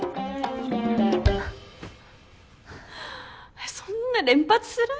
えっそんな連発する？